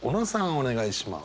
お願いします。